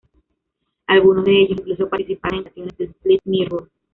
Algunos de ellos incluso participaron en canciones de Split Mirrors.